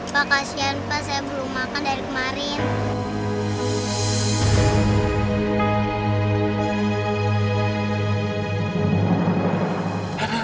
pak kasian pak saya belum makan dari kemarin